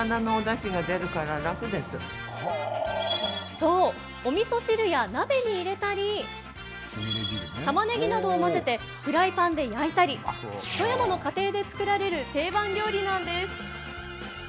そう、おみそ汁や鍋に入れたりたまねぎなどを混ぜてフライパンで焼いたり富山の家庭で作られる定番料理なんです。